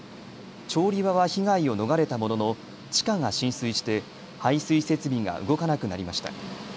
調理場は被害を逃れたものの地下が浸水して排水設備が動かなくなりました。